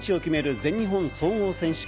全日本総合選手権。